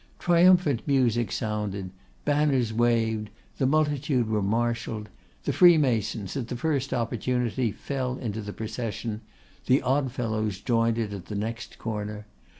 Triumphant music sounded; banners waved; the multitude were marshalled; the Freemasons, at the first opportunity, fell into the procession; the Odd Fellows joined it at the nearest corner.